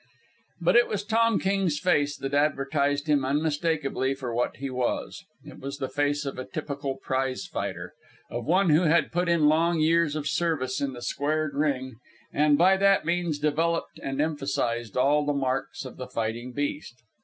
But it was Tom King's face that advertised him unmistakably for what he was. It was the face of a typical prize fighter; of one who had put in long years of service in the squared ring and, by that means, developed and emphasized all the marks of the fighting beast.